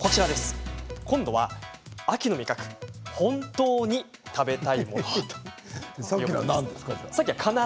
今度は、秋の味覚本当に食べたいものは？と。